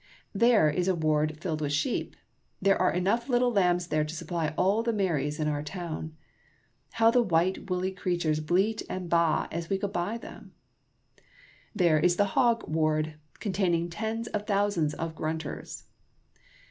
There is a ward filled with sheep. There are enough little lambs there to supply all the Marys in our town. How the white, woolly creatures bleat and baa as we go by them ! There is the hog ward, containing tens of thousands of grunters.